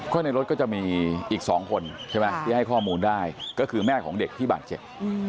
ก็ในรถก็จะมีอีก๒คนใช่ไหมที่ให้ข้อมูลได้ก็คือแม่ของเด็กที่บาดเจ็บ